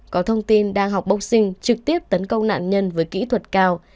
có thông tin đang học boxing trực tiếp tấn công nạn nhân với kỹ thuật cao